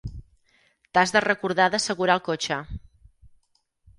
T'has de recordar d'assegurar el cotxe.